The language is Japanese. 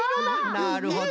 なるほど。